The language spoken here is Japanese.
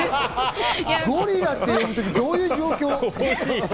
ゴリラって呼ぶときどういう状況？